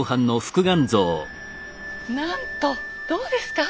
なんとどうですか？